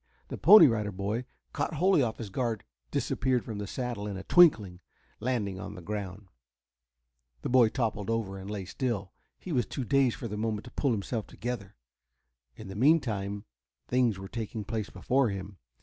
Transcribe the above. The Pony Rider boy, caught wholly off his guard, disappeared from the saddle in a twinkling, landing on the ground. The boy toppled over and lay still. He was too dazed for the moment to pull himself together. In the meantime things were taking place before him.